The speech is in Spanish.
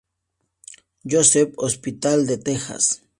Joseph's Hospital de Texas.